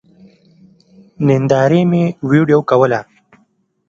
نندارې مو وېډيو کوله.